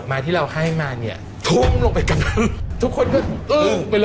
แซนเขาก็ทำงานโรงงานนะฮะ